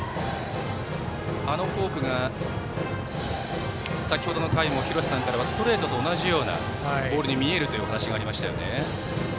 あのフォークが先ほどの回に廣瀬さんからはストレートと同じようなボールに見えるというお話がありましたよね。